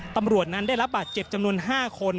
ตำรวจนั้นได้รับบาดเจ็บจำนวน๕คน